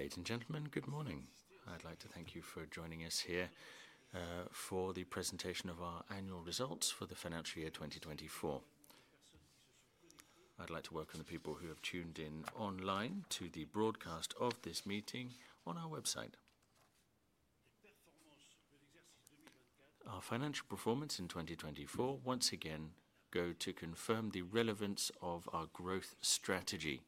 Ladies and gentlemen, good morning. I'd like to thank you for joining us here for the presentation of our annual results for the financial year 2024. I'd like to welcome the people who have tuned in online to the broadcast of this meeting on our website. Our financial performance in 2024, once again, goes to confirm the relevance of our growth strategy.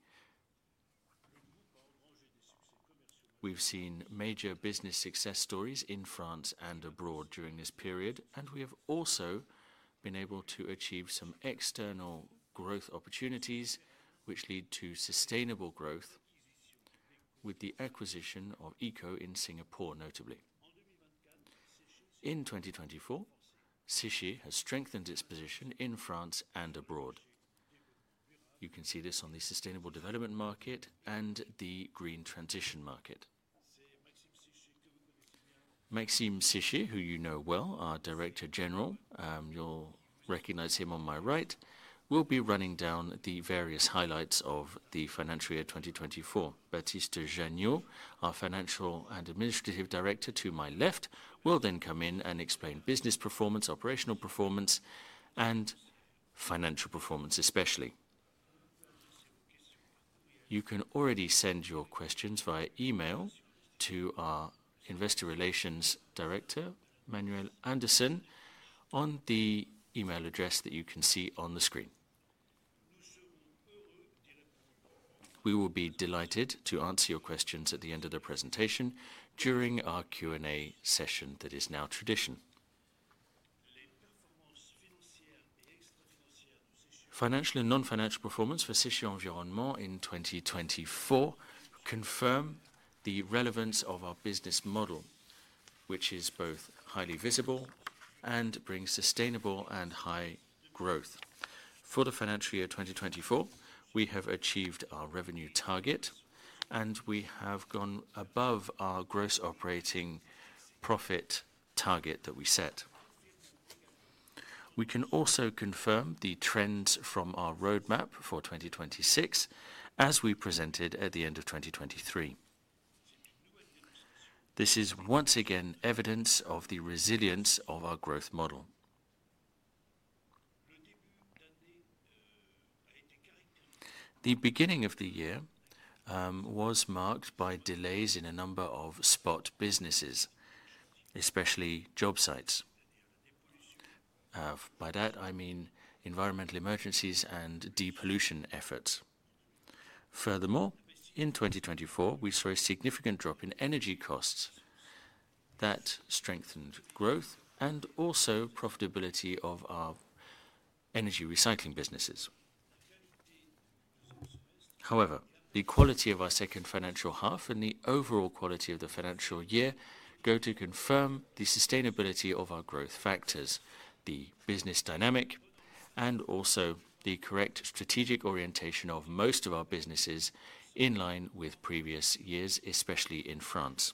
We've seen major business success stories in France and abroad during this period, and we have also been able to achieve some external growth opportunities which lead to sustainable growth with the acquisition of Eco in Singapore, notably. In 2024, Séché has strengthened its position in France and abroad. You can see this on the sustainable development market and the green transition market. Maxime Séché, who you know well, our Director General, you'll recognize him on my right, will be running down the various highlights of the financial year 2024. Baptiste Janiaud, our Financial and Administrative Director to my left, will then come in and explain business performance, operational performance, and financial performance especially. You can already send your questions via email to our Investor Relations Director, Manuel Anderson, on the email address that you can see on the screen. We will be delighted to answer your questions at the end of the presentation during our Q&A session that is now tradition. Financial and non-financial performance for Séché Environnement in 2024 confirms the relevance of our business model, which is both highly visible and brings sustainable and high growth. For the financial year 2024, we have achieved our revenue target, and we have gone above our gross operating profit target that we set. We can also confirm the trends from our roadmap for 2026, as we presented at the end of 2023. This is once again evidence of the resilience of our growth model. The beginning of the year was marked by delays in a number of spot businesses, especially job sites. By that, I mean environmental emergencies and depollution efforts. Furthermore, in 2024, we saw a significant drop in energy costs that strengthened growth and also profitability of our energy recycling businesses. However, the quality of our second financial half and the overall quality of the financial year go to confirm the sustainability of our growth factors, the business dynamic, and also the correct strategic orientation of most of our businesses in line with previous years, especially in France.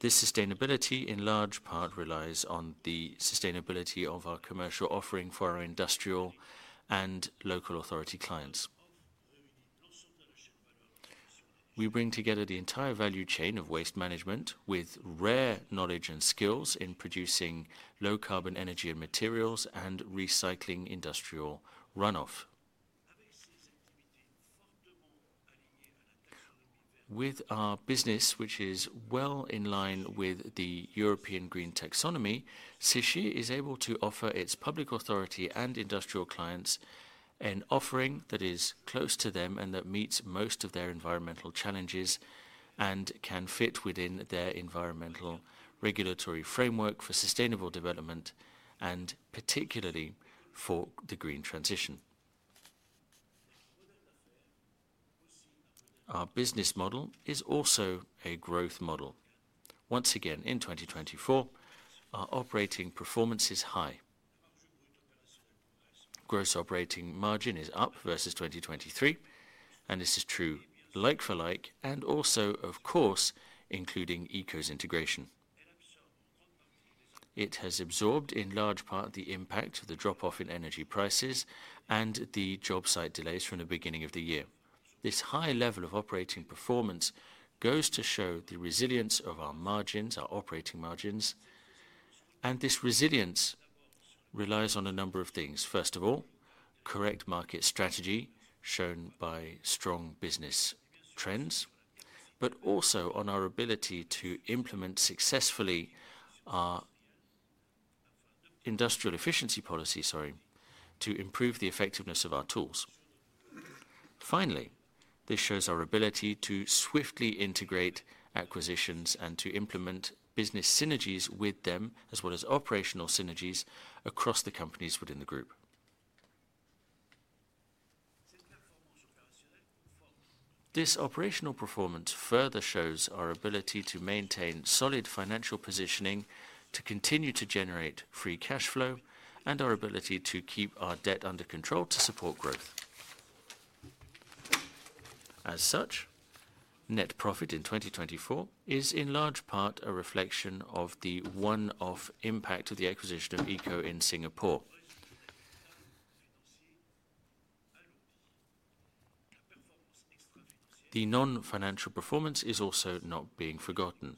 This sustainability in large part relies on the sustainability of our commercial offering for our industrial and local authority clients. We bring together the entire value chain of waste management with rare knowledge and skills in producing low-carbon energy and materials and recycling industrial runoff. With our business, which is well in line with the European Green Taxonomy, Séché is able to offer its public authority and industrial clients an offering that is close to them and that meets most of their environmental challenges and can fit within their environmental regulatory framework for sustainable development and particularly for the green transition. Our business model is also a growth model. Once again, in 2024, our operating performance is high. Gross operating margin is up versus 2023, and this is true like for like and also, of course, including Eco's integration. It has absorbed in large part the impact of the drop-off in energy prices and the job site delays from the beginning of the year. This high level of operating performance goes to show the resilience of our margins, our operating margins, and this resilience relies on a number of things. First of all, correct market strategy shown by strong business trends, but also on our ability to implement successfully our industrial efficiency policy, sorry, to improve the effectiveness of our tools. Finally, this shows our ability to swiftly integrate acquisitions and to implement business synergies with them, as well as operational synergies across the companies within the group. This operational performance further shows our ability to maintain solid financial positioning, to continue to generate free cash flow, and our ability to keep our debt under control to support growth. As such, net profit in 2024 is in large part a reflection of the one-off impact of the acquisition of Eco in Singapore. The non-financial performance is also not being forgotten.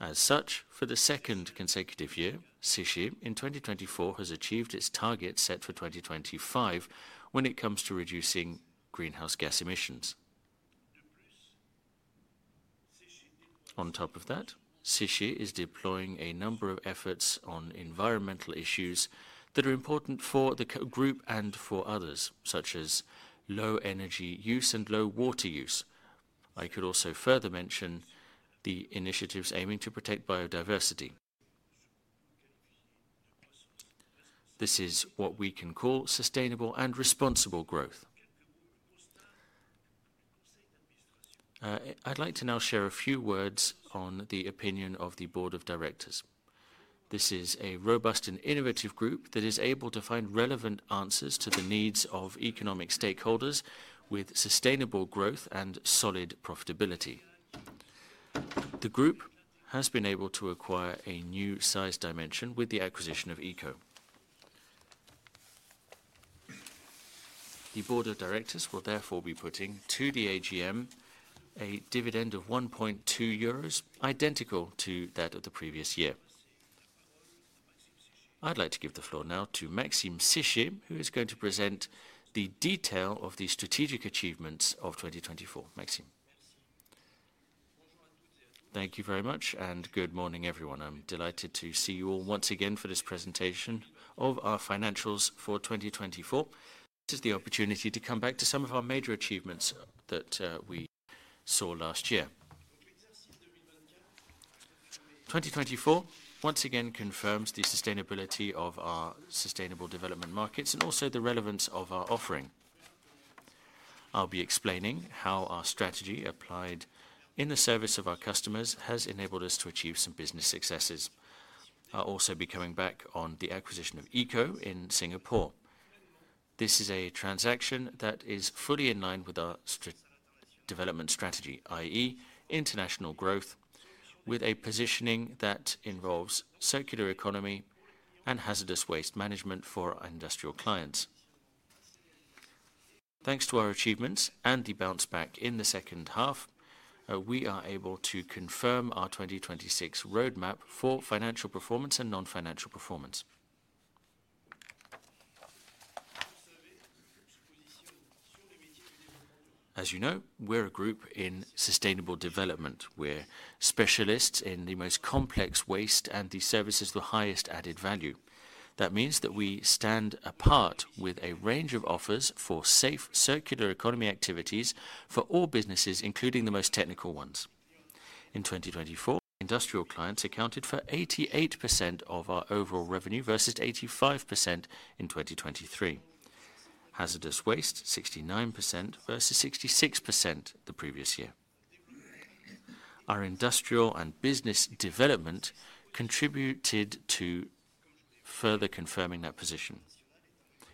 As such, for the second consecutive year, Séché in 2024 has achieved its target set for 2025 when it comes to reducing greenhouse gas emissions. On top of that, Séché is deploying a number of efforts on environmental issues that are important for the group and for others, such as low energy use and low water use. I could also further mention the initiatives aiming to protect biodiversity. This is what we can call sustainable and responsible growth. I'd like to now share a few words on the opinion of the Board of Directors. This is a robust and innovative group that is able to find relevant answers to the needs of economic stakeholders with sustainable growth and solid profitability. The group has been able to acquire a new size dimension with the acquisition of Eco. The Board of Directors will therefore be putting to the AGM a dividend of 1.2 euros, identical to that of the previous year. I'd like to give the floor now to Maxime Séché, who is going to present the detail of the strategic achievements of 2024. Maxime. Thank you very much and good morning, everyone. I'm delighted to see you all once again for this presentation of our financials for 2024. This is the opportunity to come back to some of our major achievements that we saw last year. 2024 once again confirms the sustainability of our sustainable development markets and also the relevance of our offering. I'll be explaining how our strategy applied in the service of our customers has enabled us to achieve some business successes. I'll also be coming back on the acquisition of Eco in Singapore. This is a transaction that is fully in line with our development strategy, i.e., international growth, with a positioning that involves circular economy and hazardous waste management for our industrial clients. Thanks to our achievements and the bounce back in the second half, we are able to confirm our 2026 roadmap for financial performance and non-financial performance. As you know, we're a group in sustainable development. We're specialists in the most complex waste and the services of the highest added value. That means that we stand apart with a range of offers for safe circular economy activities for all businesses, including the most technical ones. In 2024, industrial clients accounted for 88% of our overall revenue versus 85% in 2023. Hazardous waste, 69% versus 66% the previous year. Our industrial and business development contributed to further confirming that position.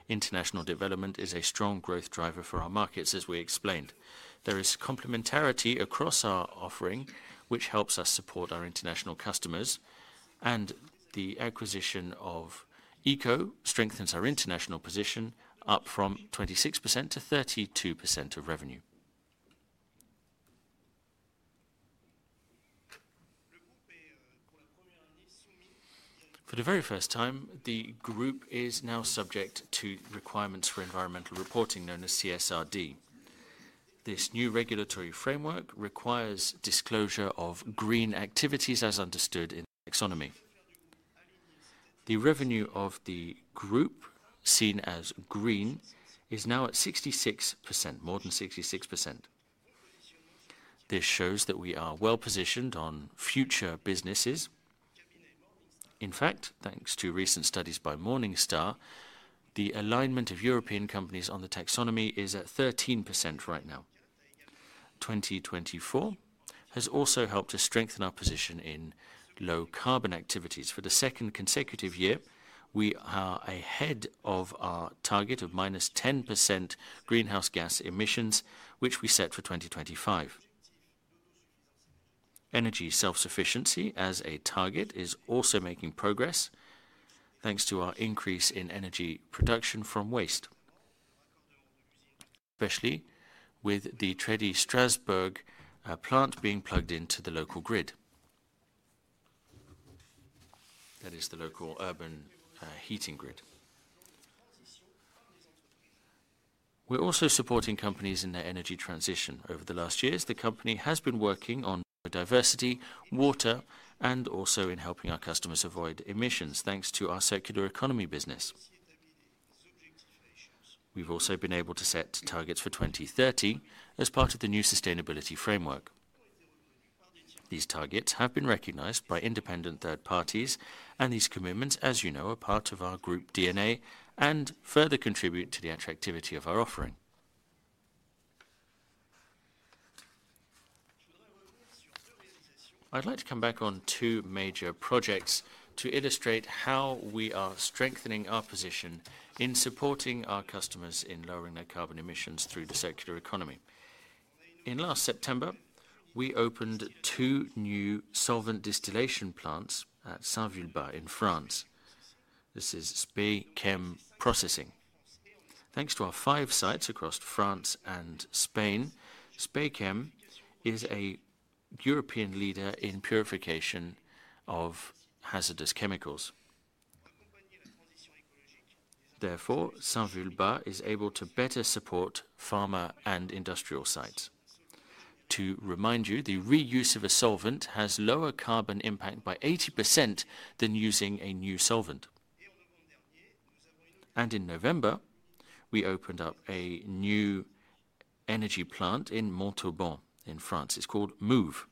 International development is a strong growth driver for our markets, as we explained. There is complementarity across our offering, which helps us support our international customers, and the acquisition of Eco strengthens our international position up from 26% to 32% of revenue. For the very first time, the group is now subject to requirements for environmental reporting known as CSRD. This new regulatory framework requires disclosure of green activities as understood in the taxonomy. The revenue of the group, seen as green, is now at 66%, more than 66%. This shows that we are well positioned on future businesses. In fact, thanks to recent studies by Morningstar, the alignment of European companies on the taxonomy is at 13% right now. 2024 has also helped to strengthen our position in low carbon activities. For the second consecutive year, we are ahead of our target of minus 10% greenhouse gas emissions, which we set for 2025. Energy self-sufficiency as a target is also making progress thanks to our increase in energy production from waste, especially with the Tready Strasbourg plant being plugged into the local grid. That is the local urban heating grid. We're also supporting companies in their energy transition. Over the last years, the company has been working on biodiversity, water, and also in helping our customers avoid emissions thanks to our circular economy business. We've also been able to set targets for 2030 as part of the new sustainability framework. These targets have been recognized by independent third parties, and these commitments, as you know, are part of our group DNA and further contribute to the attractivity of our offering. I'd like to come back on two major projects to illustrate how we are strengthening our position in supporting our customers in lowering their carbon emissions through the circular economy. In last September, we opened two new solvent distillation plants at Saint-Vulbas in France. This is Speichem Processing. Thanks to our five sites across France and Spain, Speichem is a European leader in purification of hazardous chemicals. Therefore, Saint-Vulbas is able to better support pharma and industrial sites. To remind you, the reuse of a solvent has lower carbon impact by 80% than using a new solvent. In November, we opened up a new energy plant in Montauban in France. It's called Mouve.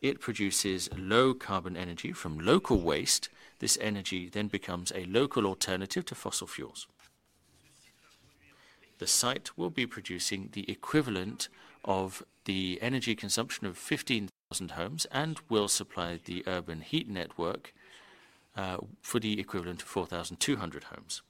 It produces low carbon energy from local waste. This energy then becomes a local alternative to fossil fuels. The site will be producing the equivalent of the energy consumption of 15,000 homes and will supply the urban heat network for the equivalent of 4,200 homes.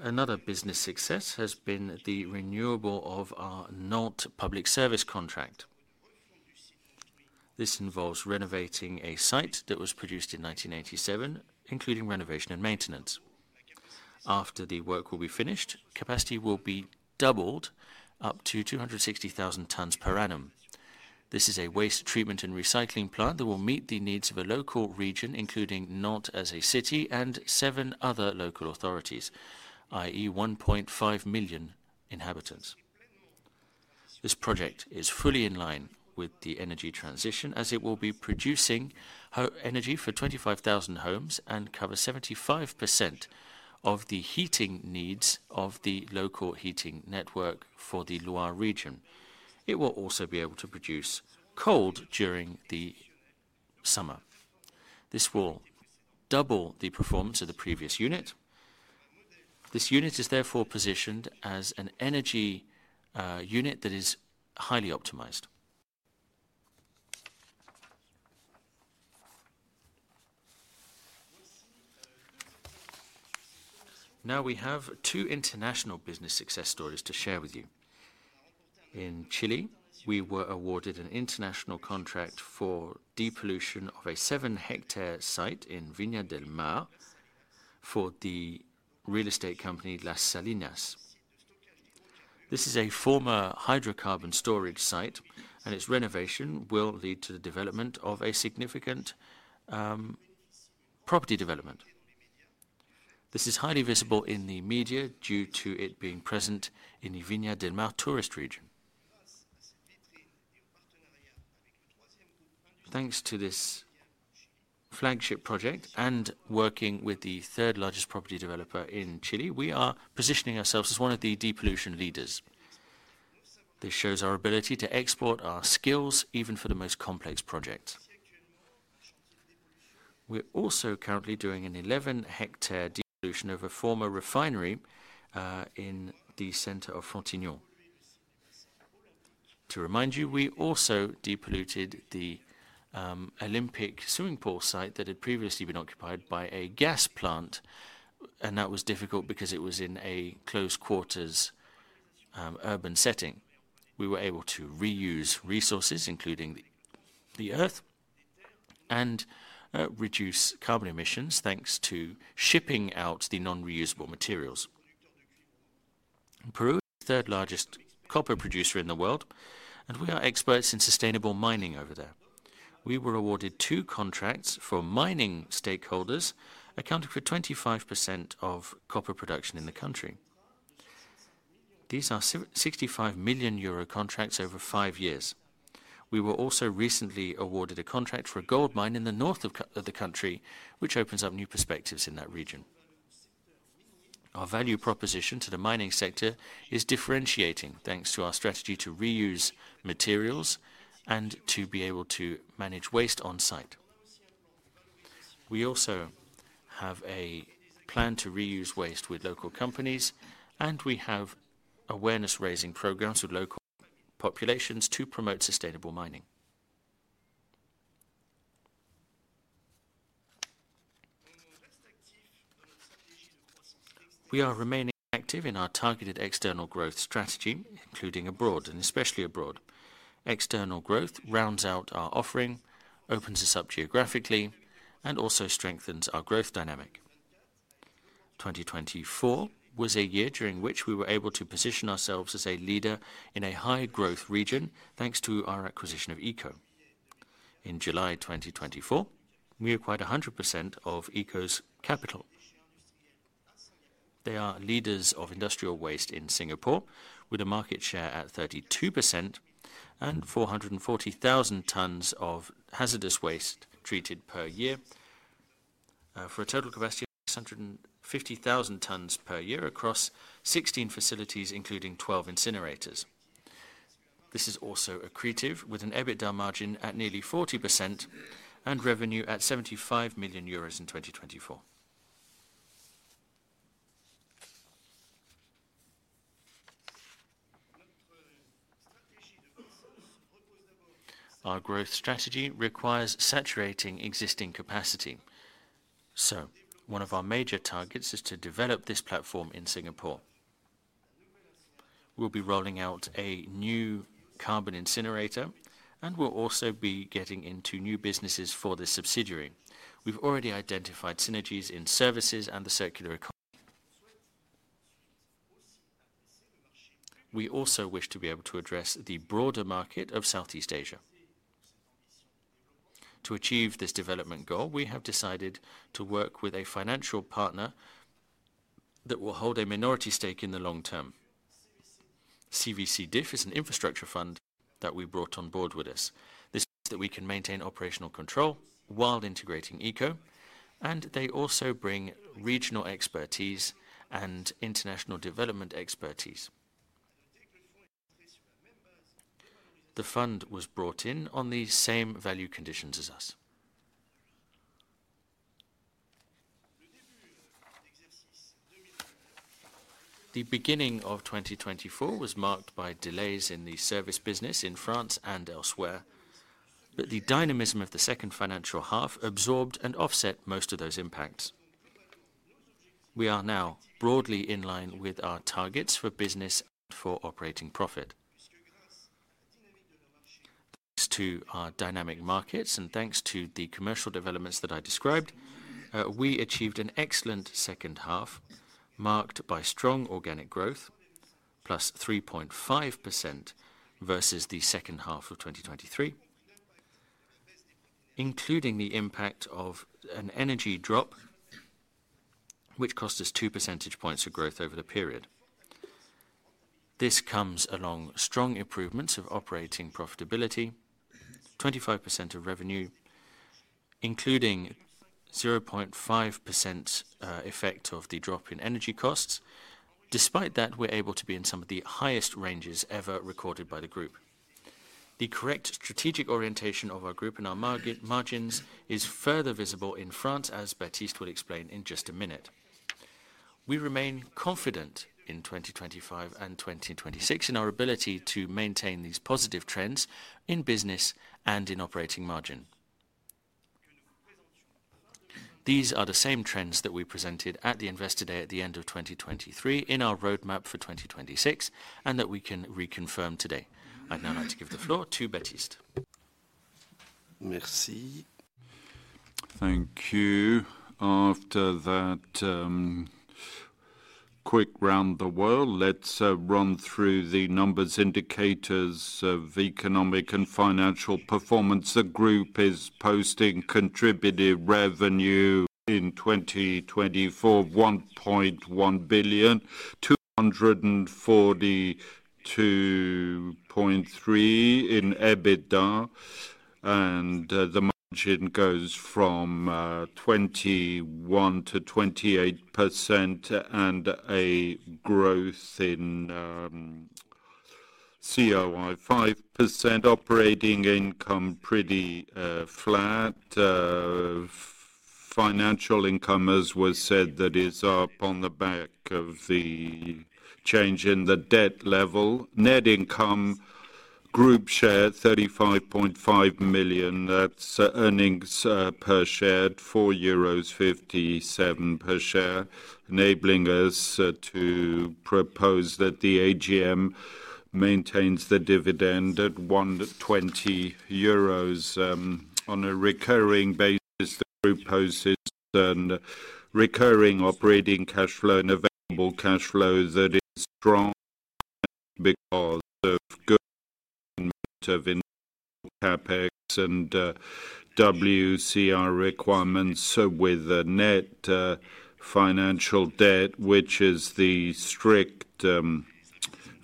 Another business success has been the renewal of our Nantes public service contract. This involves renovating a site that was produced in 1987, including renovation and maintenance. After the work will be finished, capacity will be doubled up to 260,000 tons per annum. This is a waste treatment and recycling plant that will meet the needs of a local region, including Nantes as a city and seven other local authorities, i.e., 1.5 million inhabitants. This project is fully in line with the energy transition as it will be producing energy for 25,000 homes and cover 75% of the heating needs of the local heating network for the Loire region. It will also be able to produce cold during the summer. This will double the performance of the previous unit. This unit is therefore positioned as an energy unit that is highly optimized. Now we have two international business success stories to share with you. In Chile, we were awarded an international contract for depollution of a seven-hectare site in Viña del Mar for the real estate company Las Salinas. This is a former hydrocarbon storage site, and its renovation will lead to the development of a significant property development. This is highly visible in the media due to it being present in the Viña del Mar tourist region. Thanks to this flagship project and working with the third-largest property developer in Chile, we are positioning ourselves as one of the depollution leaders. This shows our ability to export our skills even for the most complex projects. We're also currently doing an 11-hectare depollution of a former refinery in the center of Frontignan. To remind you, we also depolluted the Olympic swimming pool site that had previously been occupied by a gas plant, and that was difficult because it was in a closed-quarters urban setting. We were able to reuse resources, including the earth, and reduce carbon emissions thanks to shipping out the non-reusable materials. Peru is the third-largest copper producer in the world, and we are experts in sustainable mining over there. We were awarded two contracts for mining stakeholders accounting for 25% of copper production in the country. These are 65 million euro contracts over five years. We were also recently awarded a contract for a gold mine in the north of the country, which opens up new perspectives in that region. Our value proposition to the mining sector is differentiating thanks to our strategy to reuse materials and to be able to manage waste on site. We also have a plan to reuse waste with local companies, and we have awareness-raising programs with local populations to promote sustainable mining. We are remaining active in our targeted external growth strategy, including abroad, and especially abroad. External growth rounds out our offering, opens us up geographically, and also strengthens our growth dynamic. 2024 was a year during which we were able to position ourselves as a leader in a high-growth region thanks to our acquisition of Eco. In July 2024, we acquired 100% of Eco's capital. They are leaders of industrial waste in Singapore, with a market share at 32% and 440,000 tons of hazardous waste treated per year for a total capacity of 650,000 tons per year across 16 facilities, including 12 incinerators. This is also accretive with an EBITDA margin at nearly 40% and revenue at 75 million euros in 2024. Our growth strategy requires saturating existing capacity. One of our major targets is to develop this platform in Singapore. We will be rolling out a new carbon incinerator, and we will also be getting into new businesses for this subsidiary. We have already identified synergies in services and the circular economy. We also wish to be able to address the broader market of Southeast Asia. To achieve this development goal, we have decided to work with a financial partner that will hold a minority stake in the long term. CVC DIF is an infrastructure fund that we brought on board with us. This means that we can maintain operational control while integrating Eco, and they also bring regional expertise and international development expertise. The fund was brought in on the same value conditions as us. The beginning of 2024 was marked by delays in the service business in France and elsewhere, but the dynamism of the second financial half absorbed and offset most of those impacts. We are now broadly in line with our targets for business and for operating profit. Thanks to our dynamic markets and thanks to the commercial developments that I described, we achieved an excellent second half marked by strong organic growth, plus 3.5% versus the second half of 2023, including the impact of an energy drop, which cost us 2 percentage points of growth over the period. This comes along strong improvements of operating profitability, 25% of revenue, including 0.5% effect of the drop in energy costs. Despite that, we're able to be in some of the highest ranges ever recorded by the group. The correct strategic orientation of our group and our margins is further visible in France, as Baptiste will explain in just a minute. We remain confident in 2025 and 2026 in our ability to maintain these positive trends in business and in operating margin. These are the same trends that we presented at the Investor Day at the end of 2023 in our roadmap for 2026 and that we can reconfirm today. I'd now like to give the floor to Baptiste. Merci. Thank you. After that quick round the world, let's run through the numbers, indicators of economic and financial performance. The group is posting contributed revenue in 2024 of 1.1 billion, 242.3 million in EBITDA, and the margin goes from 21% to 28%, and a growth in COI of 5%. Operating income pretty flat. Financial income, as was said, that is up on the back of the change in the debt level. Net income, group share, 35.5 million. That's earnings per share, 4.57 euros per share, enabling us to propose that the AGM maintains the dividend at 1.20 euros on a recurring basis. The group poses a recurring operating cash flow and available cash flow that is strong because of good meeting of CAPEX and WCR requirements with a net financial debt, which is the strict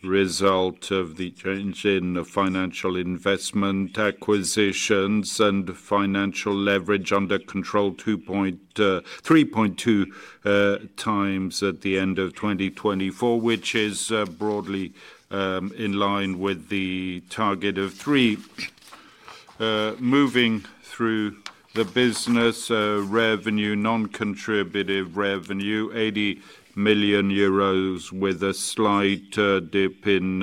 result of the change in financial investment acquisitions and financial leverage under control 3.2 times at the end of 2024, which is broadly in line with the target of three. Moving through the business, revenue, non-contributed revenue, 80 million euros with a slight dip in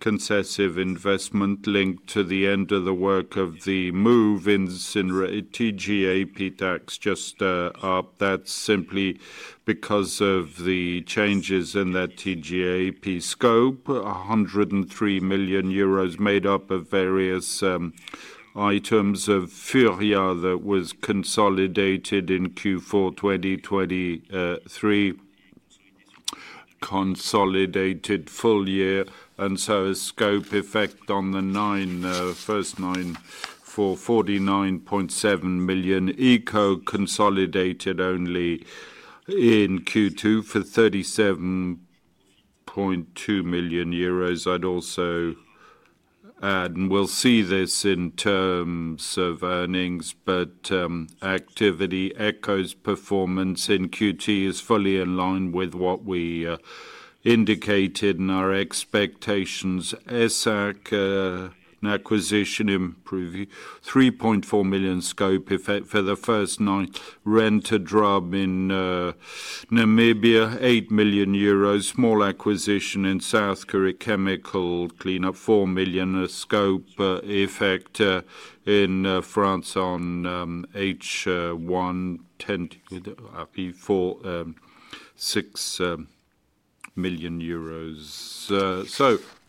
concessive investment linked to the end of the work of the Mouve and TGAP tax just up. That's simply because of the changes in that TGAP scope. 103 million euros made up of various items of FURIA that was consolidated in Q4 2023, consolidated full year, and so a scope effect on the first nine for 49.7 million. Eco consolidated only in Q2 for EUR 37.2 million. I'd also add, and we'll see this in terms of earnings, but activity Eco's performance in Q2 is fully in line with what we indicated in our expectations. ESSAC an acquisition in Peru, 3.4 million scope effect for the first nine, Rent a Drum in Namibia, 8 million euros, small acquisition in South Korea chemical cleanup, 4 million scope effect in France on H1, EUR 6 million.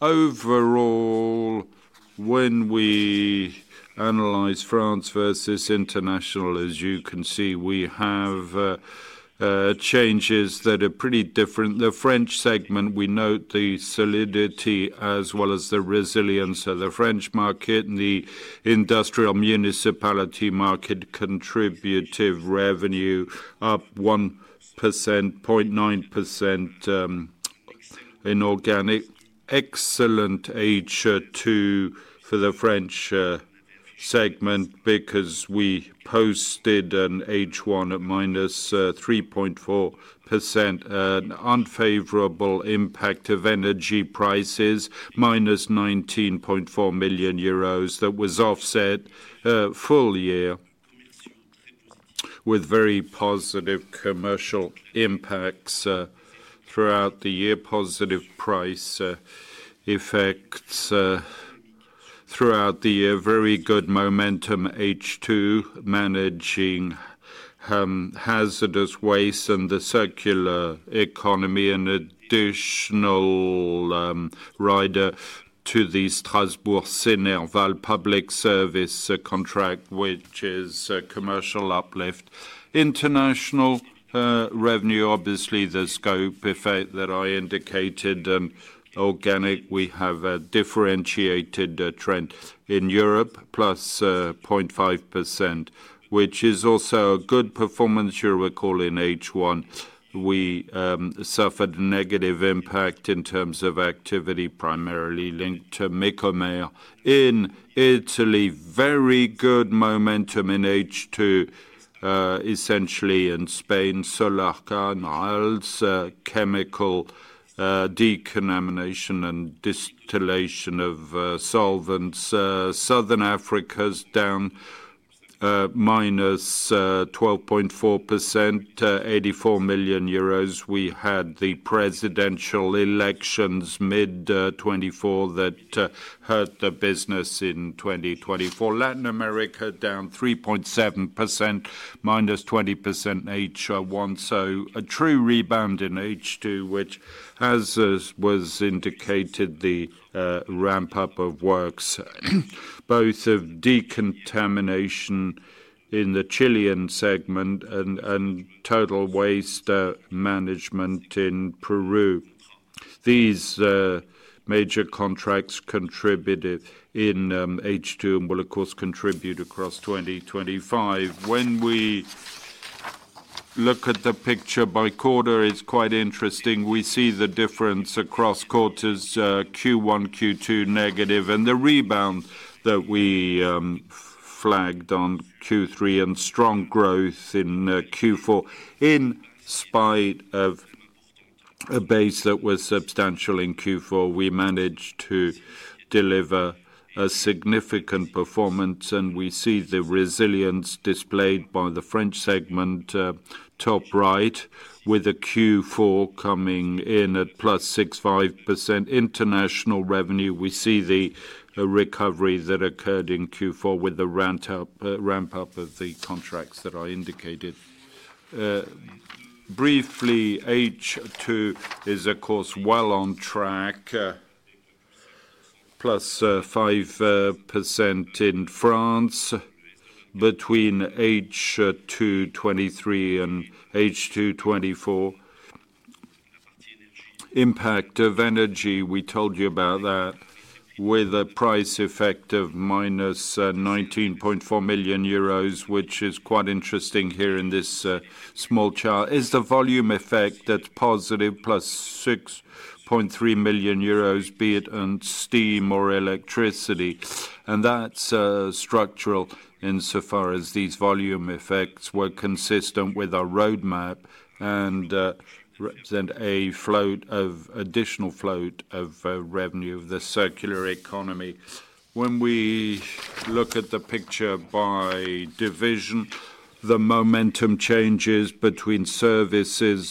Overall, when we analyze France versus international, as you can see, we have changes that are pretty different. The French segment, we note the solidity as well as the resilience of the French market and the industrial municipality market, contributive revenue up 1.9% in organic. Excellent H2 for the French segment because we posted an H1 at -3.4%, an unfavorable impact of energy prices, 19.4 million euros that was offset full year with very positive commercial impacts throughout the year, positive price effects throughout the year, very good momentum H2 managing hazardous waste and the circular economy, an additional rider to the Strasbourg-Sénéval public service contract, which is a commercial uplift. International revenue, obviously the scope effect that I indicated, organic, we have a differentiated trend in Europe, +0.5%, which is also a good performance you recall in H1. We suffered a negative impact in terms of activity primarily linked to Mecomare in Italy. Very good momentum in H2, essentially in Spain, Solar Carnivals, chemical decontamination and distillation of solvents. Southern Africa's down -12.4%, 84 million euros. We had the presidential elections mid-2024 that hurt the business in 2024. Latin America down 3.7%, -20% H1. A true rebound in H2, which, as was indicated, the ramp-up of works, both of decontamination in the Chilean segment and total waste management in Peru. These major contracts contributed in H2 and will, of course, contribute across 2025. When we look at the picture by quarter, it's quite interesting. We see the difference across quarters, Q1, Q2 negative, and the rebound that we flagged on Q3 and strong growth in Q4. In spite of a base that was substantial in Q4, we managed to deliver a significant performance, and we see the resilience displayed by the French segment top right with a Q4 coming in at +6.5%. International revenue, we see the recovery that occurred in Q4 with the ramp-up of the contracts that I indicated. Briefly, H2 is, of course, well on track, +5% in France between H2 2023 and H2 2024. Impact of energy, we told you about that, with a price effect of -19.4 million euros, which is quite interesting here in this small chart, is the volume effect that's positive, +6.3 million euros, be it on steam or electricity. That is structural insofar as these volume effects were consistent with our roadmap and represent a float of additional float of revenue of the circular economy. When we look at the picture by division, the momentum changes between services,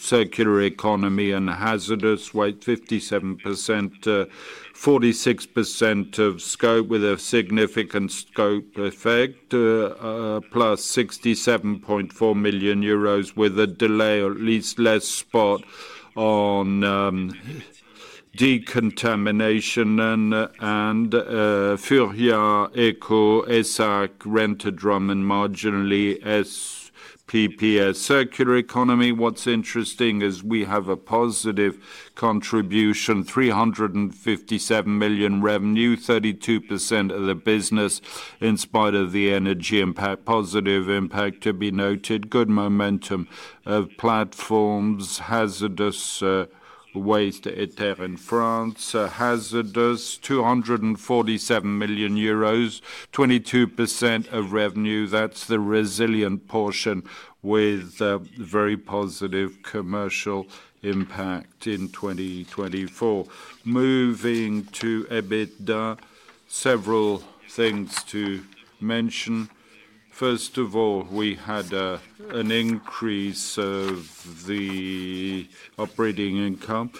circular economy, and hazardous waste: 57%, 46% of scope with a significant scope effect, plus 67.4 million euros with a delay or at least less spot on decontamination and FURIA, ECO, ESSAC, Rent a Drum and marginally SPPS. Circular economy, what's interesting is we have a positive contribution, 357 million revenue, 32% of the business in spite of the energy impact, positive impact to be noted, good momentum of platforms, hazardous waste et al. in France, hazardous, 247 million euros, 22% of revenue, that's the resilient portion with very positive commercial impact in 2024. Moving to EBITDA, several things to mention. First of all, we had an increase of the operating income,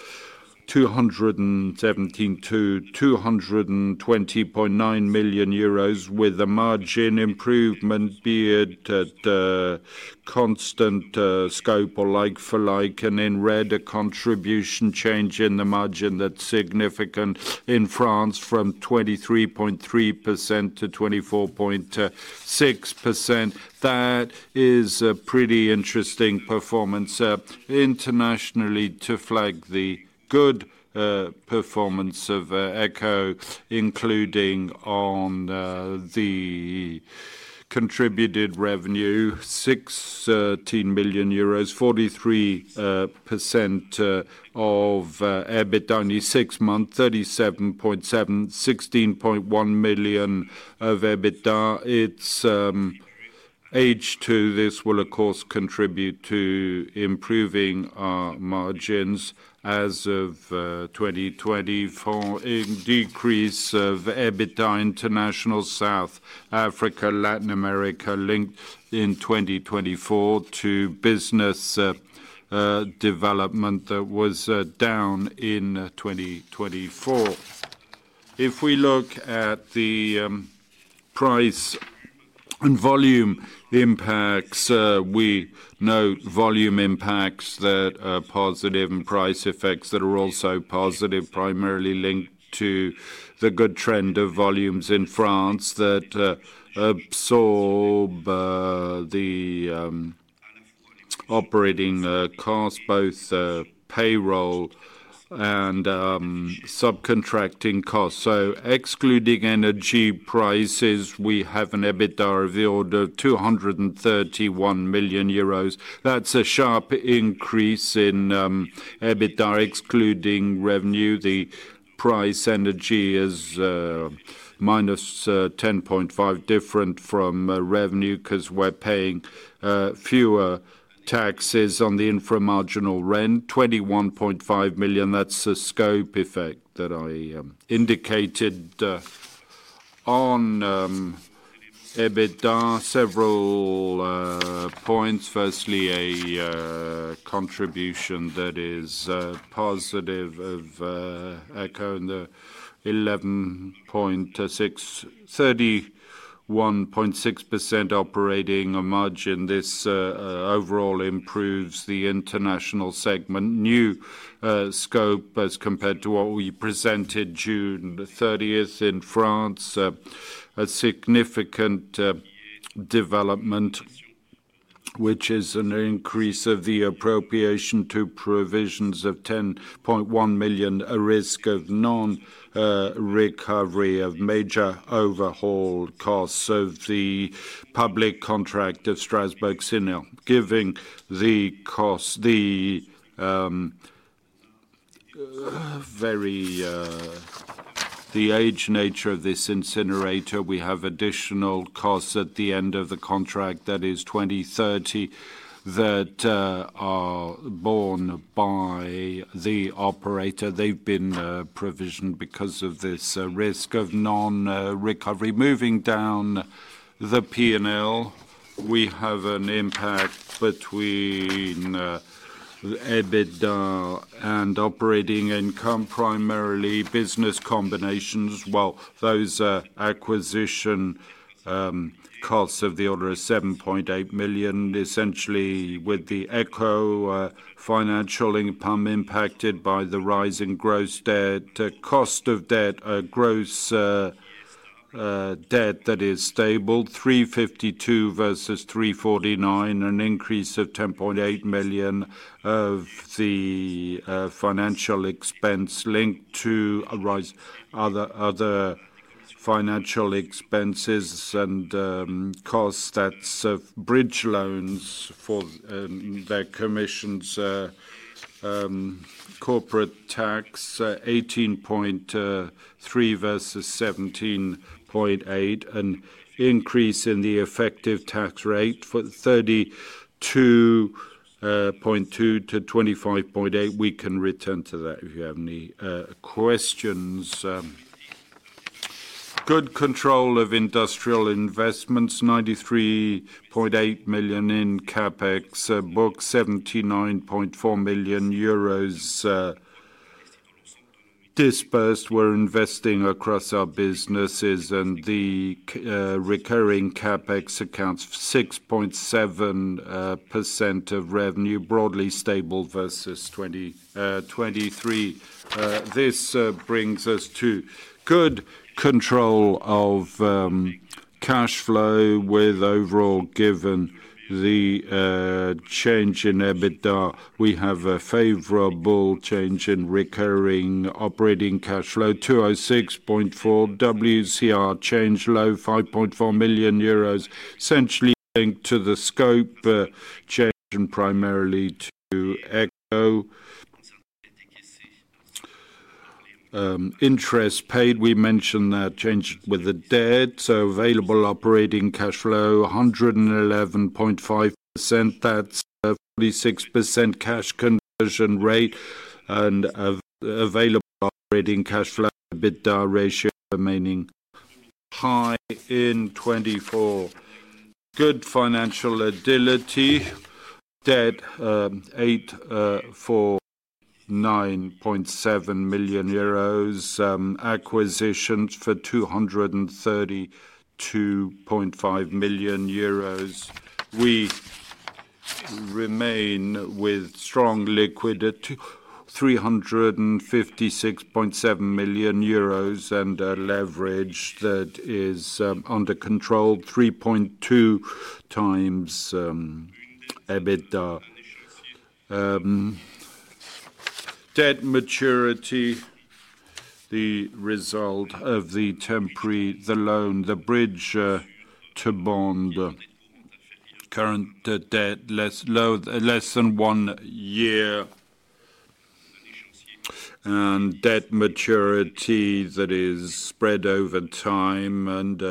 220.9 million euros with a margin improvement, be it at constant scope or like-for-like, and in red, a contribution change in the margin that's significant in France from 23.3% to 24.6%. That is a pretty interesting performance. Internationally, to flag the good performance of ECO, including on the contributed revenue, EUR 613 million, 43% of EBITDA in the six months, 37.7, 16.1 million of EBITDA. It's H2, this will, of course, contribute to improving our margins as of 2024. Decrease of EBITDA international South Africa, Latin America linked in 2024 to business development that was down in 2024. If we look at the price and volume impacts, we know volume impacts that are positive and price effects that are also positive, primarily linked to the good trend of volumes in France that absorb the operating costs, both payroll and subcontracting costs. Excluding energy prices, we have an EBITDA of the order of 231 million euros. That is a sharp increase in EBITDA excluding revenue. The price energy is minus 10.5 different from revenue because we are paying fewer taxes on the inframarginal rent, 21.5 million, that is the scope effect that I indicated on EBITDA. Several points, firstly a contribution that is positive of Eco in the 11.6, 31.6% operating margin. This overall improves the international segment. New scope as compared to what we presented June 30th in France, a significant development, which is an increase of the appropriation to provisions of 10.1 million, a risk of non-recovery of major overhaul costs. The public contract of Strasbourg-Sénéval, given the cost, the very age nature of this incinerator, we have additional costs at the end of the contract that is 2030 that are borne by the operator. They've been provisioned because of this risk of non-recovery. Moving down the P&L, we have an impact between EBITDA and operating income, primarily business combinations. Those acquisition costs of the order of 7.8 million, essentially with the Eco financial income impacted by the rising gross debt, cost of debt, gross debt that is stable, 352 million versus 349 million, an increase of 10.8 million of the financial expense linked to a rise, other financial expenses and costs, that's of bridge loans for their commissions, corporate tax, 18.3 million versus 17.8 million, an increase in the effective tax rate for 32.2% to 25.8%. We can return to that if you have any questions. Good control of industrial investments, 93.8 million in CapEx book, 79.4 million euros disbursed. We're investing across our businesses and the recurring CapEx accounts, 6.7% of revenue, broadly stable versus 2023. This brings us to good control of cash flow with overall given the change in EBITDA. We have a favorable change in recurring operating cash flow, 206.4 million, WCR change low, 5.4 million euros, essentially linked to the scope change and primarily to Eco. Interest paid, we mentioned that change with the debt, so available operating cash flow, 111.5%, that's 46% cash conversion rate and available operating cash flow, EBITDA ratio remaining high in 2024. Good financial agility, debt 849.7 million euros, acquisitions for 232.5 million euros. We remain with strong liquidity, 356.7 million euros and a leverage that is under control, 3.2 times EBITDA. Debt maturity, the result of the temporary loan, the bridge to bond, current debt less than one year and debt maturity that is spread over time and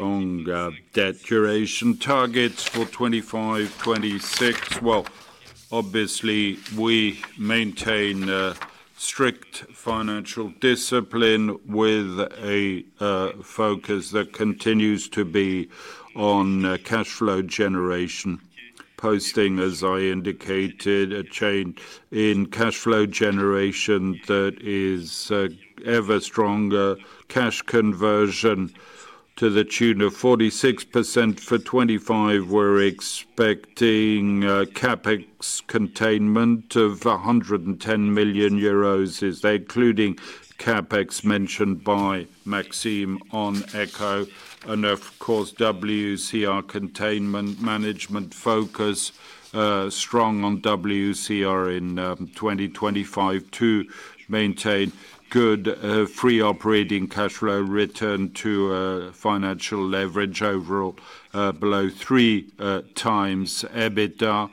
long debt duration, targets for 2025, 2026. Obviously, we maintain strict financial discipline with a focus that continues to be on cash flow generation, posting, as I indicated, a change in cash flow generation that is ever stronger, cash conversion to the tune of 46% for 2025. We're expecting CAPEX containment of 110 million euros, including CAPEX mentioned by Maxime on ECO and, of course, WCR containment management focus, strong on WCR in 2025 to maintain good free operating cash flow return to financial leverage, overall below three times EBITDA.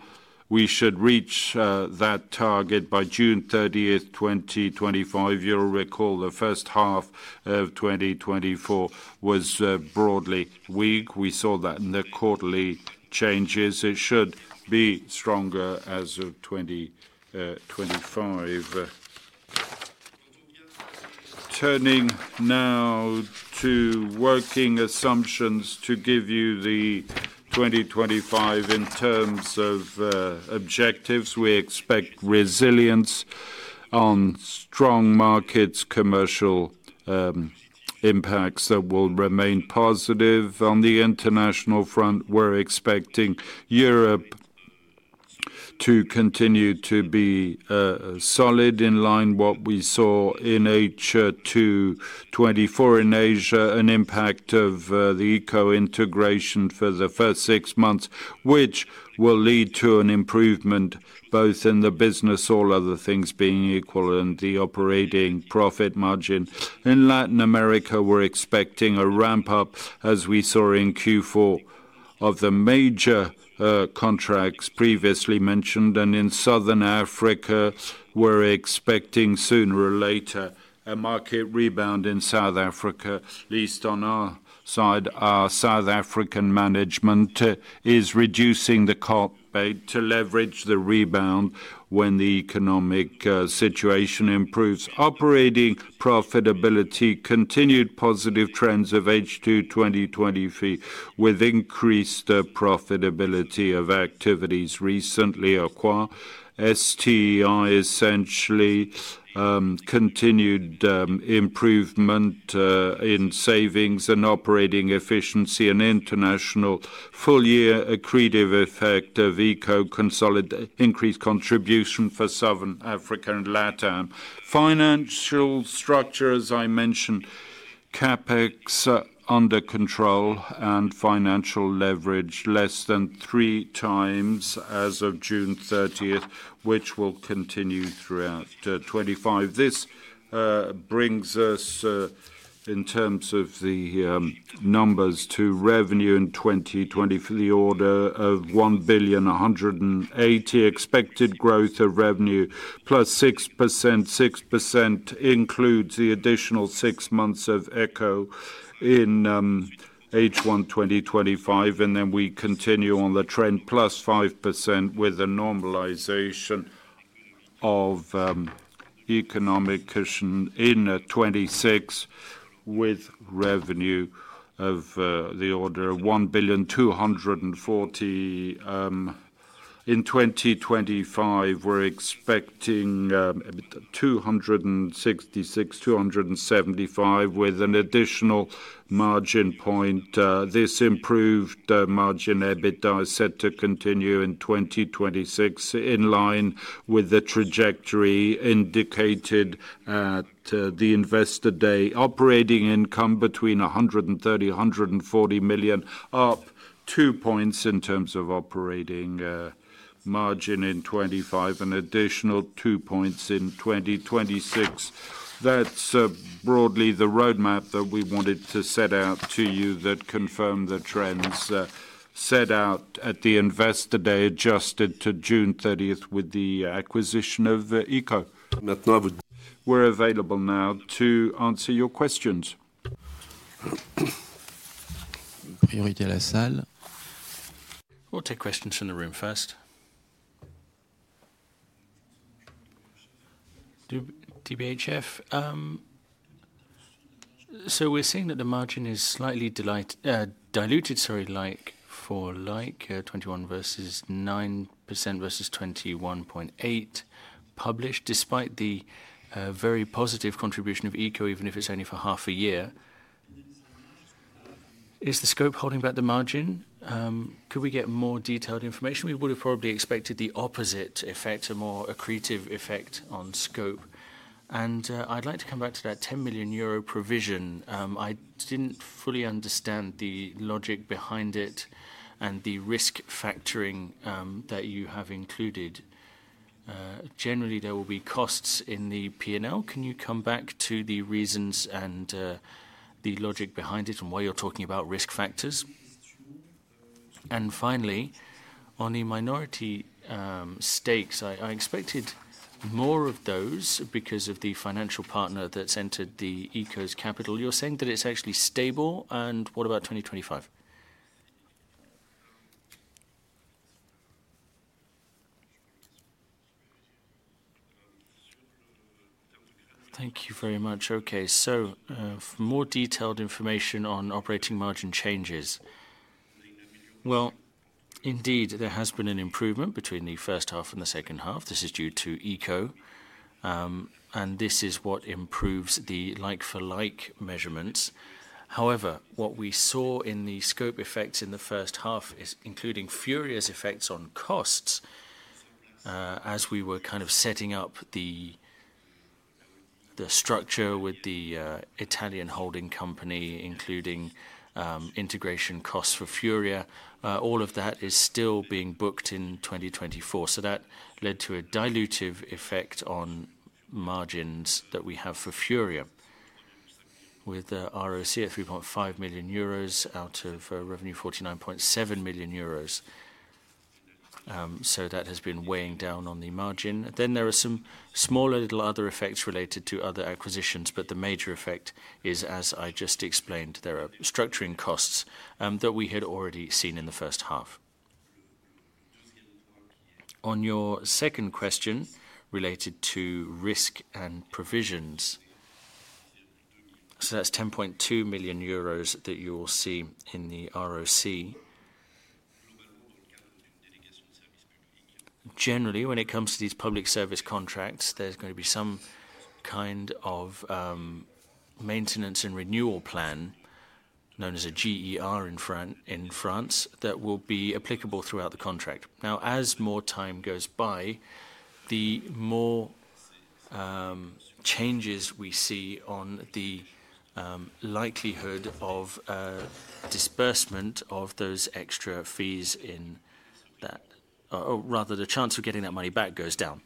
We should reach that target by June 30, 2025. You'll recall the first half of 2024 was broadly weak. We saw that in the quarterly changes. It should be stronger as of 2025. Turning now to working assumptions to give you the 2025 in terms of objectives. We expect resilience on strong markets, commercial impacts that will remain positive. On the international front, we're expecting Europe to continue to be solid in line with what we saw in H2 2024. In Asia, an impact of the ECO integration for the first six months, which will lead to an improvement both in the business, all other things being equal, and the operating profit margin. In Latin America, we're expecting a ramp-up as we saw in Q4 of the major contracts previously mentioned, and in Southern Africa, we're expecting sooner or later a market rebound in South Africa. At least on our side, our South African management is reducing the cost base to leverage the rebound when the economic situation improves. Operating profitability, continued positive trends of H2 2023 with increased profitability of activities recently acquired. STI essentially continued improvement in savings and operating efficiency and international full year accretive effect of ECO consolidation, increased contribution for Southern Africa and LatAm. Financial structure, as I mentioned, CapEx under control and financial leverage less than three times as of June 30, which will continue throughout 2025. This brings us in terms of the numbers to revenue in 2024 for the order of 1 billion 180 million, expected growth of revenue plus 6%. 6% includes the additional six months of Eco in H1-2025, and then we continue on the trend plus 5% with a normalization of economic cushion in 2026 with revenue of the order of 1 billion 240 million. In 2025, we're expecting 266 million-275 million with an additional margin point. This improved margin EBITDA is set to continue in 2026 in line with the trajectory indicated at the investor day. Operating income between 130 million-140 million, up two points in terms of operating margin in 2025 and additional two points in 2026. That's broadly the roadmap that we wanted to set out to you that confirmed the trends set out at the investor day adjusted to June 30 with the acquisition of ECO. We're available now to answer your questions. Priorité à la salle. We'll take questions from the room first. DBHF, so we're seeing that the margin is slightly diluted, sorry, like for like 21% versus 9% versus 21.8% published despite the very positive contribution of ECO, even if it's only for half a year. Is the scope holding back the margin? Could we get more detailed information? We would have probably expected the opposite effect, a more accretive effect on scope. And I'd like to come back to that 10 million euro provision. I didn't fully understand the logic behind it and the risk factoring that you have included. Generally, there will be costs in the P&L. Can you come back to the reasons and the logic behind it and why you're talking about risk factors? Finally, on the minority stakes, I expected more of those because of the financial partner that's entered ECO's capital. You're saying that it's actually stable, and what about 2025? Thank you very much. Okay, more detailed information on operating margin changes. Indeed, there has been an improvement between the first half and the second half. This is due to ECO, and this is what improves the like-for-like measurements. However, what we saw in the scope effects in the first half is including FURIA's effects on costs as we were kind of setting up the structure with the Italian holding company, including integration costs for FURIA. All of that is still being booked in 2024, so that led to a dilutive effect on margins that we have for FURIA with ROC at 3.5 million euros out of revenue, 49.7 million euros. That has been weighing down on the margin. There are some small little other effects related to other acquisitions, but the major effect is, as I just explained, there are structuring costs that we had already seen in the first half. On your second question related to risk and provisions, that is 10.2 million euros that you will see in the ROC. Generally, when it comes to these public service contracts, there is going to be some kind of maintenance and renewal plan known as a GER in France that will be applicable throughout the contract. Now, as more time goes by, the more changes we see on the likelihood of disbursement of those extra fees in that, or rather the chance of getting that money back goes down.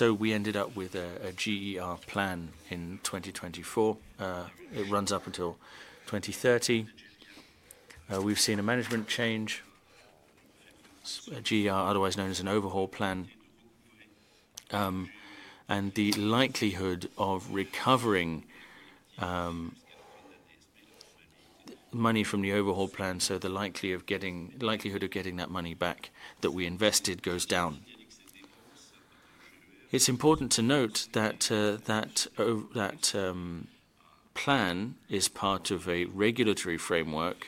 We ended up with a GER plan in 2024. It runs up until 2030. We've seen a management change, a GER otherwise known as an overhaul plan, and the likelihood of recovering money from the overhaul plan, so the likelihood of getting that money back that we invested goes down. It's important to note that that plan is part of a regulatory framework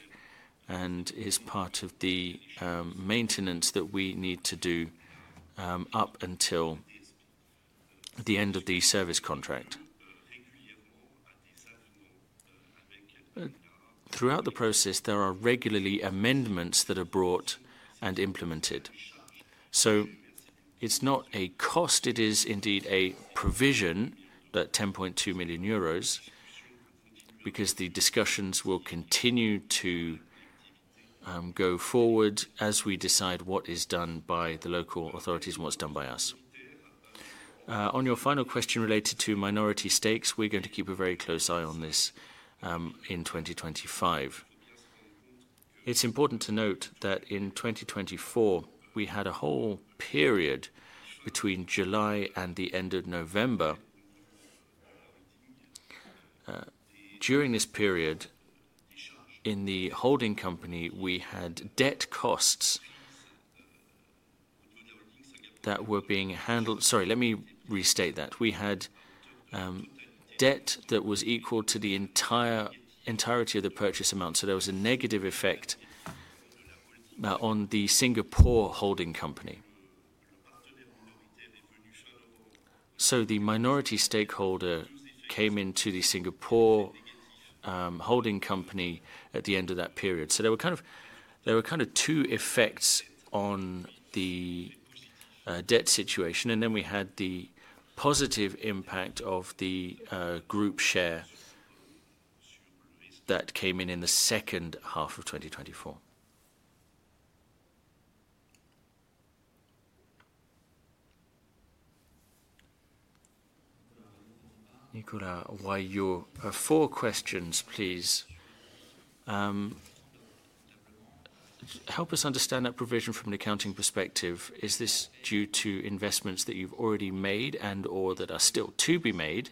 and is part of the maintenance that we need to do up until the end of the service contract. Throughout the process, there are regularly amendments that are brought and implemented. It is not a cost; it is indeed a provision, that 10.2 million euros, because the discussions will continue to go forward as we decide what is done by the local authorities and what is done by us. On your final question related to minority stakes, we are going to keep a very close eye on this in 2025. It is important to note that in 2024, we had a whole period between July and the end of November. During this period, in the holding company, we had debt costs that were being handled. Sorry, let me restate that. We had debt that was equal to the entirety of the purchase amount, so there was a negative effect on the Singapore holding company. The minority stakeholder came into the Singapore holding company at the end of that period. There were kind of two effects on the debt situation, and then we had the positive impact of the group share that came in in the second half of 2024. Nikola, your four questions, please. Help us understand that provision from an accounting perspective. Is this due to investments that you've already made and/or that are still to be made?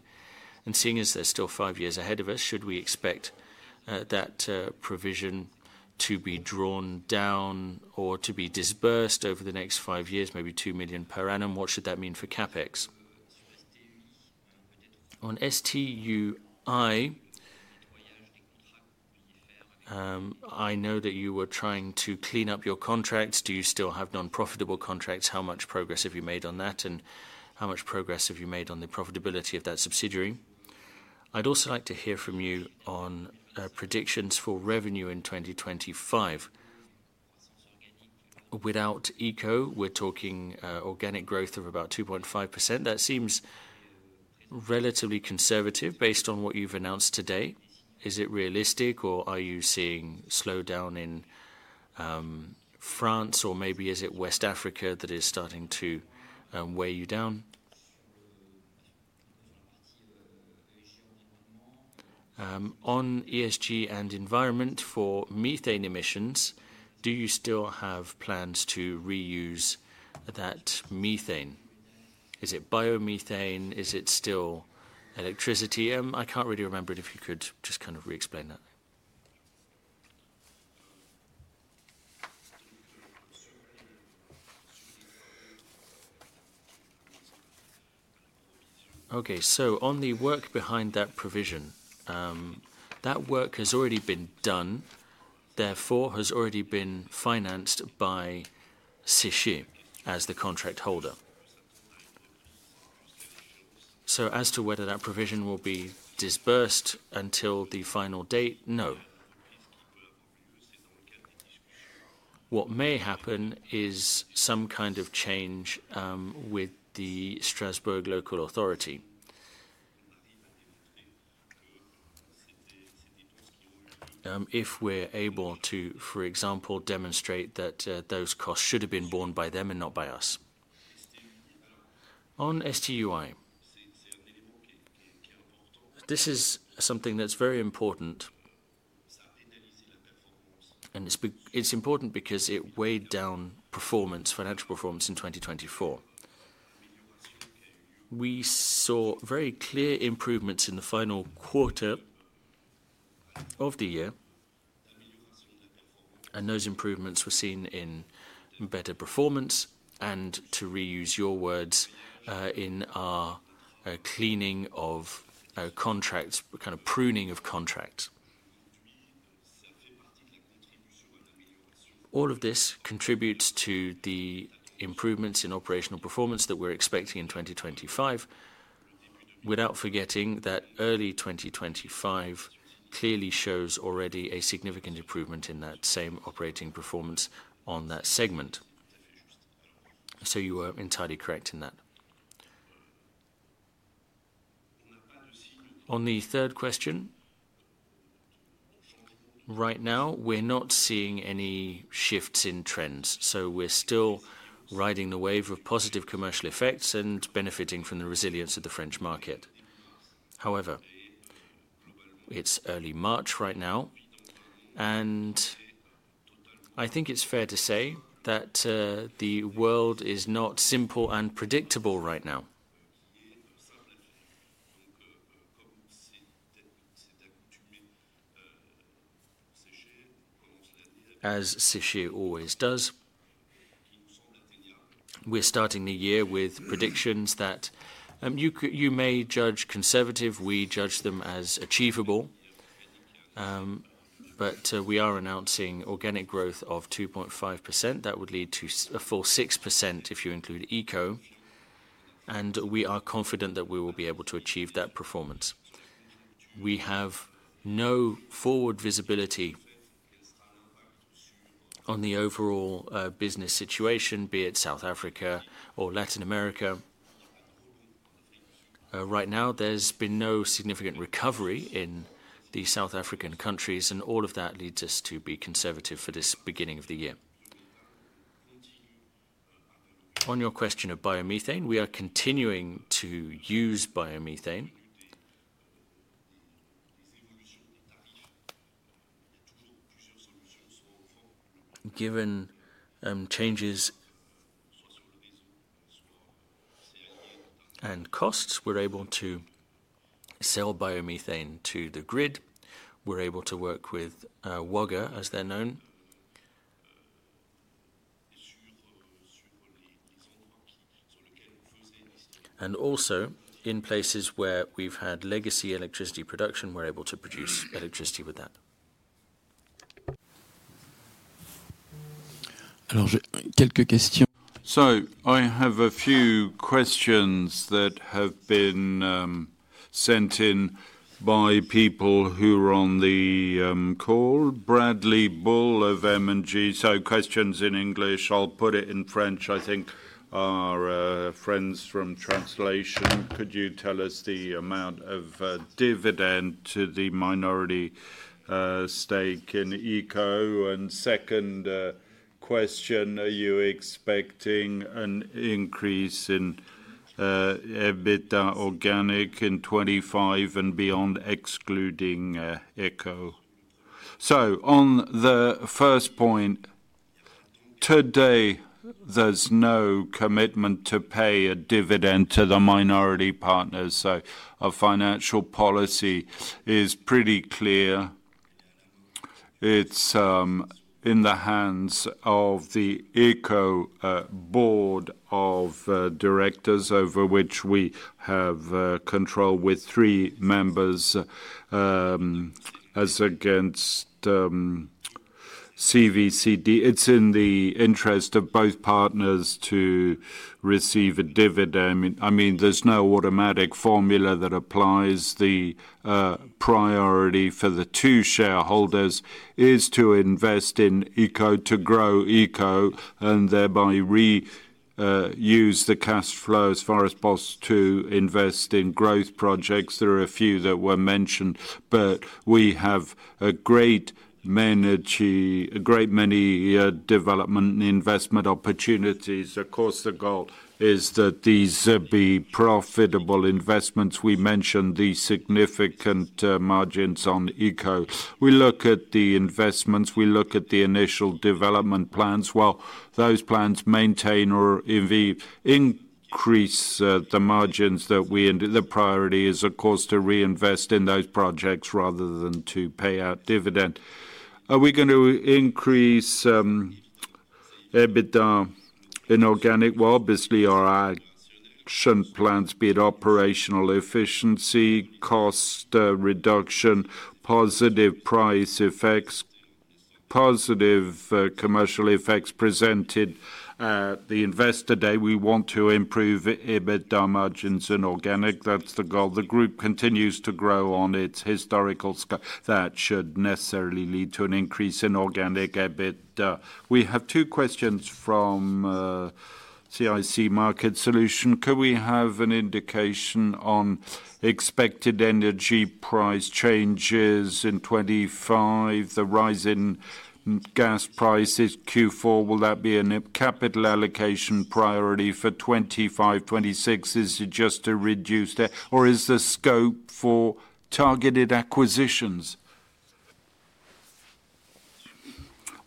Seeing as there's still five years ahead of us, should we expect that provision to be drawn down or to be disbursed over the next five years, maybe 2 million per annum? What should that mean for CapEx? On STUI, I know that you were trying to clean up your contracts. Do you still have nonprofitable contracts? How much progress have you made on that, and how much progress have you made on the profitability of that subsidiary? I'd also like to hear from you on predictions for revenue in 2025. Without ECO, we're talking organic growth of about 2.5%. That seems relatively conservative based on what you've announced today. Is it realistic, or are you seeing slowdown in France, or maybe is it West Africa that is starting to weigh you down? On ESG and environment for methane emissions, do you still have plans to reuse that methane? Is it biomethane? Is it still electricity? I can't really remember if you could just kind of re-explain that. Okay, on the work behind that provision, that work has already been done, therefore has already been financed by Séché as the contract holder. As to whether that provision will be disbursed until the final date, no. What may happen is some kind of change with the Strasbourg local authority. If we're able to, for example, demonstrate that those costs should have been borne by them and not by us. On STUI, this is something that's very important, and it's important because it weighed down performance, financial performance in 2024. We saw very clear improvements in the final quarter of the year, and those improvements were seen in better performance and, to reuse your words, in our cleaning of contracts, kind of pruning of contracts. All of this contributes to the improvements in operational performance that we're expecting in 2025, without forgetting that early 2025 clearly shows already a significant improvement in that same operating performance on that segment. You were entirely correct in that. On the third question, right now, we're not seeing any shifts in trends, so we're still riding the wave of positive commercial effects and benefiting from the resilience of the French market. However, it's early March right now, and I think it's fair to say that the world is not simple and predictable right now. As Séché always does, we're starting the year with predictions that you may judge conservative; we judge them as achievable, but we are announcing organic growth of 2.5%. That would lead to a full 6% if you include Eco, and we are confident that we will be able to achieve that performance. We have no forward visibility on the overall business situation, be it South Africa or Latin America. Right now, there's been no significant recovery in the South African countries, and all of that leads us to be conservative for this beginning of the year. On your question of biomethane, we are continuing to use biomethane. Given changes and costs, we're able to sell biomethane to the grid. We're able to work with Wager, as they're known, and also in places where we've had legacy electricity production, we're able to produce electricity with that. Alors, j'ai quelques questions. So I have a few questions that have been sent in by people who are on the call. Bradley Bull of M&G, so questions in English. I'll put it in French. I think our friends from translation, could you tell us the amount of dividend to the minority stake in ECO? Second question, are you expecting an increase in EBITDA organic in 2025 and beyond, excluding ECO? On the first point, today, there's no commitment to pay a dividend to the minority partners, so our financial policy is pretty clear. It's in the hands of the ECO board of directors, over which we have control with three members, as against CVC DIF. It's in the interest of both partners to receive a dividend. I mean, there's no automatic formula that applies. The priority for the two shareholders is to invest in ECO, to grow ECO, and thereby reuse the cash flow as far as possible to invest in growth projects. There are a few that were mentioned, but we have a great many development and investment opportunities across the globe. Is that these be profitable investments? We mentioned the significant margins on ECO. We look at the investments. We look at the initial development plans. Those plans maintain or indeed increase the margins that we ended. The priority is, of course, to reinvest in those projects rather than to pay out dividend. Are we going to increase EBITDA in organic? Obviously, our action plans, be it operational efficiency, cost reduction, positive price effects, positive commercial effects presented at the investor day. We want to improve EBITDA margins in organic. That's the goal. The group continues to grow on its historical scale. That should necessarily lead to an increase in organic EBITDA. We have two questions from CIC Market Solution. Could we have an indication on expected energy price changes in 2025, the rising gas prices Q4? Will that be a capital allocation priority for 2025, 2026? Is it just a reduced? Or is the scope for targeted acquisitions?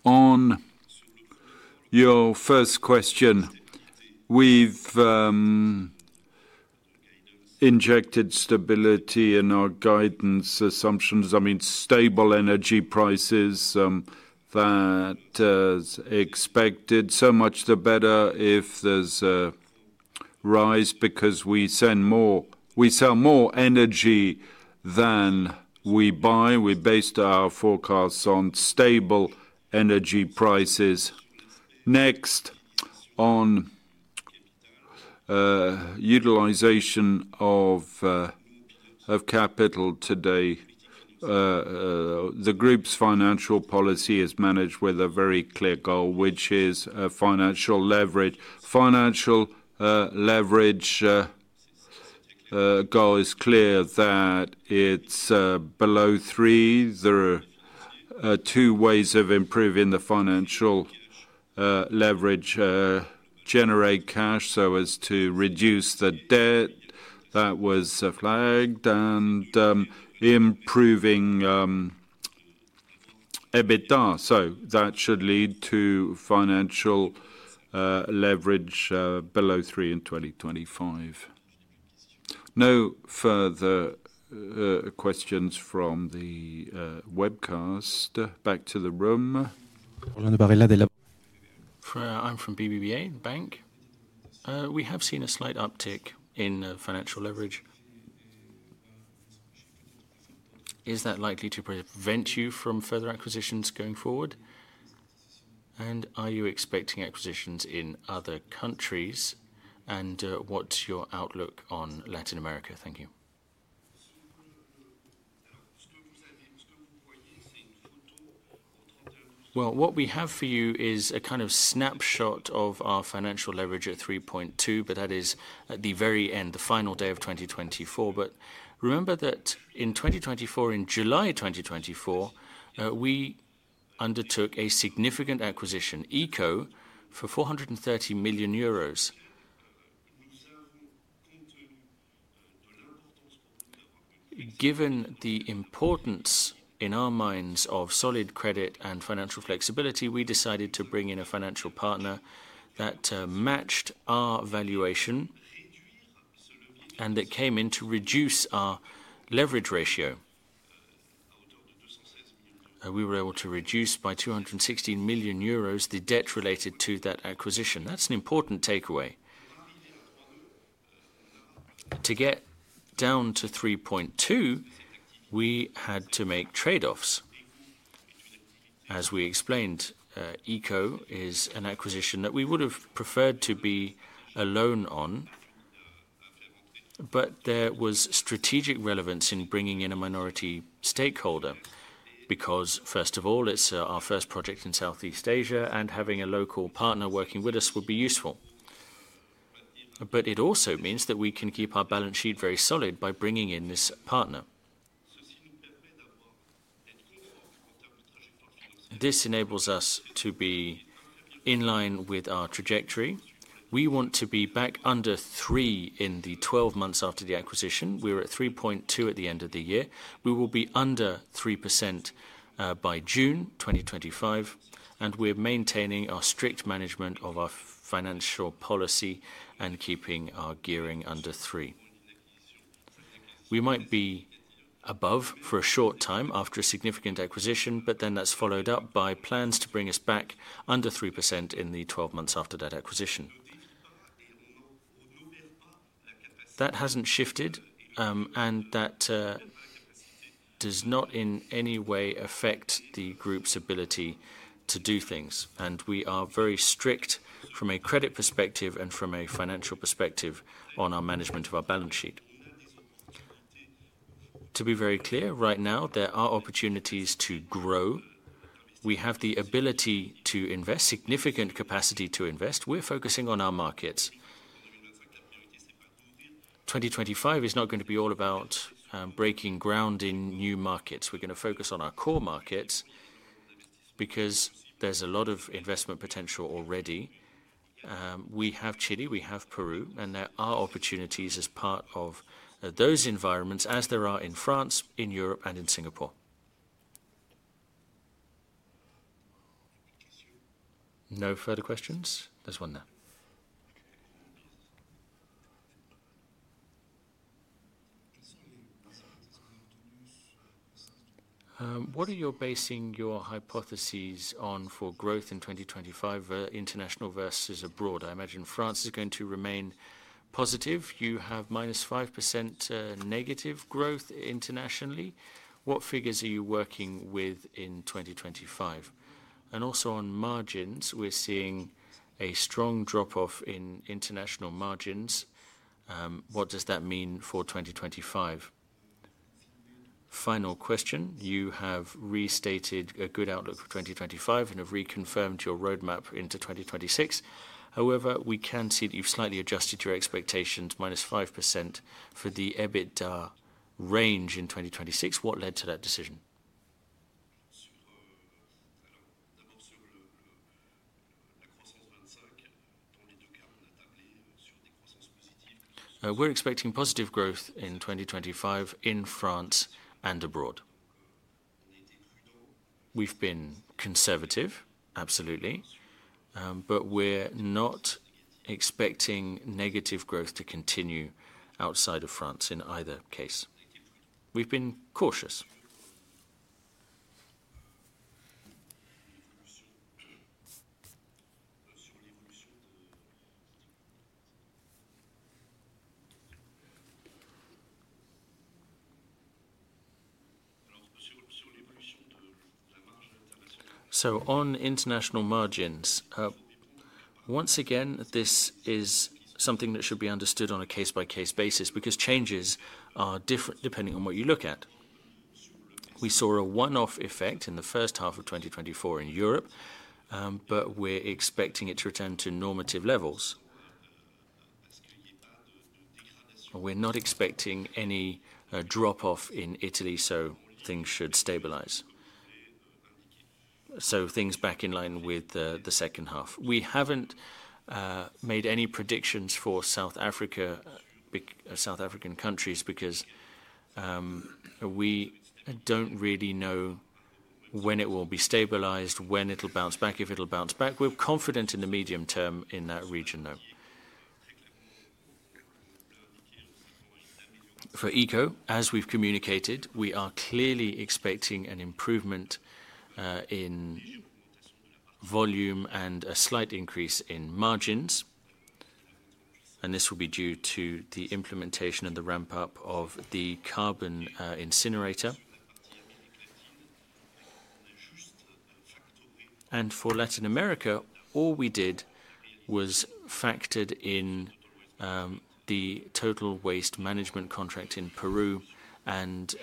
On your first question, we've injected stability in our guidance assumptions. I mean, stable energy prices that are expected. Much the better if there's a rise because we sell more energy than we buy. We based our forecasts on stable energy prices. Next, on utilization of capital today, the group's financial policy is managed with a very clear goal, which is financial leverage. Financial leverage goal is clear that it's below three. There are two ways of improving the financial leverage: generate cash so as to reduce the debt that was flagged and improving EBITDA. That should lead to financial leverage below three in 2025. No further questions from the webcast. Back to the room. I'm from BBBA in the bank. We have seen a slight uptick in financial leverage. Is that likely to prevent you from further acquisitions going forward? Are you expecting acquisitions in other countries? What's your outlook on Latin America? Thank you. What we have for you is a kind of snapshot of our financial leverage at 3.2, but that is at the very end, the final day of 2024. Remember that in 2024, in July 2024, we undertook a significant acquisition, Eco, for 430 million euros. Given the importance in our minds of solid credit and financial flexibility, we decided to bring in a financial partner that matched our valuation and that came in to reduce our leverage ratio. We were able to reduce by 216 million euros the debt related to that acquisition. That is an important takeaway. To get down to 3.2, we had to make trade-offs. As we explained, Eco is an acquisition that we would have preferred to be alone on, but there was strategic relevance in bringing in a minority stakeholder because, first of all, it is our first project in Southeast Asia, and having a local partner working with us would be useful. It also means that we can keep our balance sheet very solid by bringing in this partner. This enables us to be in line with our trajectory. We want to be back under 3 in the 12 months after the acquisition. We were at 3.2 at the end of the year. We will be under 3% by June 2025, and we're maintaining our strict management of our financial policy and keeping our gearing under 3. We might be above for a short time after a significant acquisition, but then that's followed up by plans to bring us back under 3% in the 12 months after that acquisition. That hasn't shifted, and that does not in any way affect the group's ability to do things. We are very strict from a credit perspective and from a financial perspective on our management of our balance sheet. To be very clear, right now, there are opportunities to grow. We have the ability to invest, significant capacity to invest. We're focusing on our markets. 2025 is not going to be all about breaking ground in new markets. We're going to focus on our core markets because there's a lot of investment potential already. We have Chile, we have Peru, and there are opportunities as part of those environments as there are in France, in Europe, and in Singapore. No further questions? There's one there. What are you basing your hypotheses on for growth in 2025, international versus abroad? I imagine France is going to remain positive. You have -5% negative growth internationally. What figures are you working with in 2025? And also on margins, we're seeing a strong drop-off in international margins. What does that mean for 2025? Final question. You have restated a good outlook for 2025 and have reconfirmed your roadmap into 2026. However, we can see that you've slightly adjusted your expectations, minus 5% for the EBITDA range in 2026. What led to that decision? We're expecting positive growth in 2025 in France and abroad. We've been conservative, absolutely, but we're not expecting negative growth to continue outside of France in either case. We've been cautious. On international margins, once again, this is something that should be understood on a case-by-case basis because changes are different depending on what you look at. We saw a one-off effect in the first half of 2024 in Europe, but we're expecting it to return to normative levels. We're not expecting any drop-off in Italy, so things should stabilize. Things are back in line with the second half. We haven't made any predictions for South African countries because we don't really know when it will be stabilized, when it'll bounce back, if it'll bounce back. We're confident in the medium term in that region, though. For Eco, as we've communicated, we are clearly expecting an improvement in volume and a slight increase in margins. This will be due to the implementation and the ramp-up of the carbon incinerator. For Latin America, all we did was factored in the total waste management contract in Peru and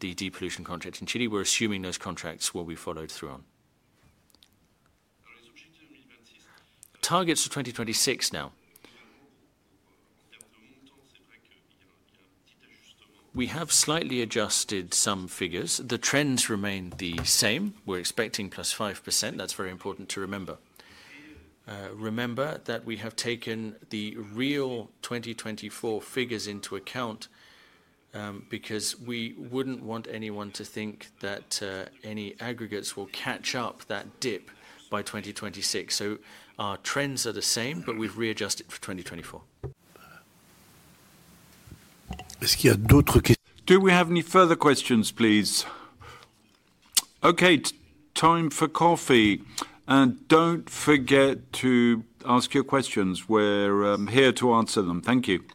the depollution contract in Chile. We're assuming those contracts will be followed through on. Targets for 2026 now. We have slightly adjusted some figures. The trends remain the same. We're expecting plus 5%. That's very important to remember. Remember that we have taken the real 2024 figures into account because we wouldn't want anyone to think that any aggregates will catch up that dip by 2026. Our trends are the same, but we've readjusted for 2024. Do we have any further questions, please? Okay, time for coffee. Do not forget to ask your questions. We are here to answer them. Thank you.